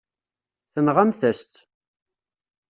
Tenɣamt-as-tt.